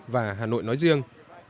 và hà nội nói riêng